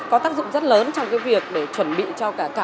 có tác dụng rất lớn trong việc chuẩn bị cho cả chương trình trong năm học tới